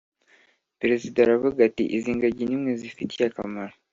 Perezida aravuga ati ’ izingagi nimwe zifitiye akamaro:”